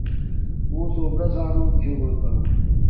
مݸسݸ برَس رَنݸم چھݸمَکݳ.